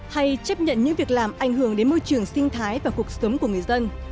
hay chấp nhận những việc làm ảnh hưởng đến môi trường sinh thái và cuộc sống của người dân